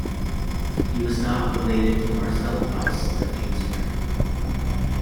He was not related to Marcel Proust, the famous writer.